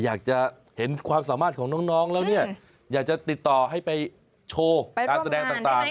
อยากจะเห็นความสามารถของน้องแล้วเนี่ยอยากจะติดต่อให้ไปโชว์การแสดงต่าง